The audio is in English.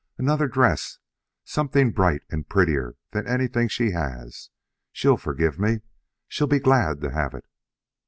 Another dress, something bright and prettier than anything she has. She'll forgive me. She'll be glad to have it."